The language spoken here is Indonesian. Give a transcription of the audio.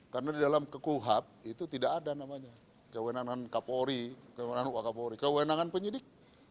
karena di dalam kekuhab itu tidak ada namanya kewenangan kapori kewenangan wakapori kewenangan penyidik